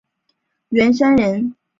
袁彬人。